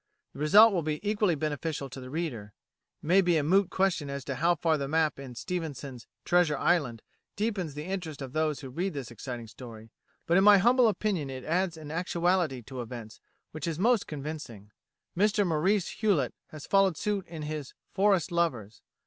The result will be equally beneficial to the reader. It may be a moot question as to how far the map in Stevenson's "Treasure Island" deepens the interest of those who read this exciting story, but in my humble opinion it adds an actuality to the events which is most convincing. Mr Maurice Hewlett has followed suit in his "Forest Lovers."